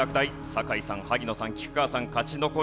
酒井さん萩野さん菊川さん勝ち残れるか！？